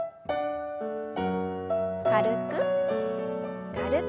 軽く軽く。